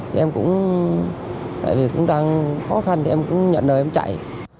thì em cũng tại vì cũng đang khó khăn thì em cũng nhận đời em chạy